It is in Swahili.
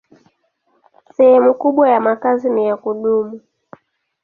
Sehemu kubwa ya makazi ni ya kudumu.